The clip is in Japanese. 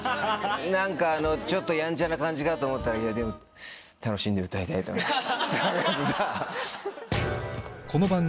何かあのちょっとやんちゃな感じかと思ったら「楽しんで歌いたいと思います」。